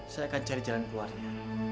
saya akan cari jalan keluarnya